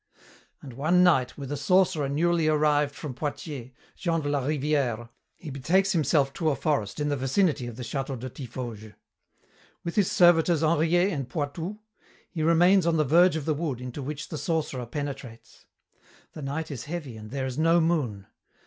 And one night, with a sorcerer newly arrived from Poitiers, Jean de la Rivière, he betakes himself to a forest in the vicinity of the château de Tiffauges. With his servitors Henriet and Poitou, he remains on the verge of the wood into which the sorcerer penetrates. The night is heavy and there is no moon.